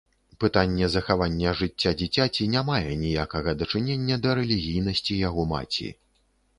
Пытанне захавання жыцця дзіцяці не мае ніякага дачынення да рэлігійнасці яго маці.